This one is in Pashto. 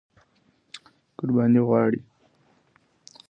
قرباني غواړي.